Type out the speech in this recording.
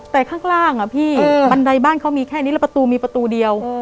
แต่ข้างล่างอะพี่บันไดบ้านเขามีแค่นี้แล้วประตูมีประตูเดียว